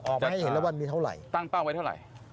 ออกมาให้เห็นแล้วว่ามีเท่าไหร่ตั้งเป้าไว้เท่าไหร่